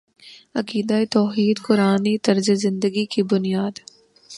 عقیدہ توحید قرآنی طرزِ زندگی کی بنیاد